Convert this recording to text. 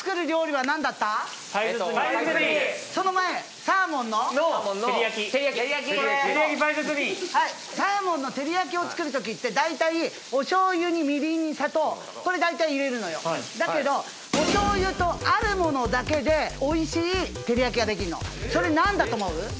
はいサーモンの照り焼きを作るときって大体これ大体入れるのよだけどお醤油とあるものだけでおいしい照り焼きができるのそれ何だと思う？